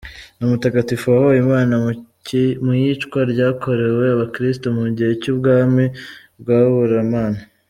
Ni umutagatifu wahowe Imana mu iyicwa ryakorewe abakirisitu mu gihe cy’ubwami bw’Abaromani.